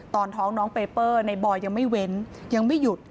ตอนท้องน้องเปเปอร์ในบอยยังไม่เว้นยังไม่หยุด